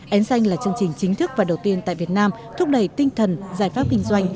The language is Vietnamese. ensanh là chương trình chính thức và đầu tiên tại việt nam thúc đẩy tinh thần giải pháp kinh doanh